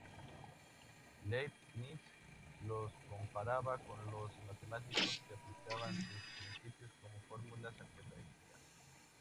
Leibniz los comparaba con los matemáticos que aplicaban sus principios como fórmulas algebraicas.